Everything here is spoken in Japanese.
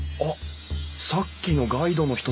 さっきのガイドの人だ！